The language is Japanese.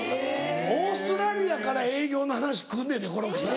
オーストラリアから営業の話来んねんでコロッケさん。